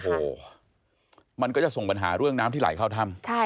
โอ้โหมันก็จะส่งปัญหาเรื่องน้ำที่ไหลเข้าถ้ำ